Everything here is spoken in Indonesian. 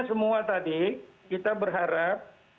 semua tadi kita berharap